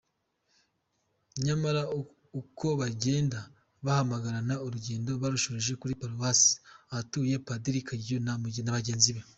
Nyamara uko bagenda bahamagarana urugendo barushoreje kuri Paruwasi, ahatuye Padiri Kageyo na bagenzi be.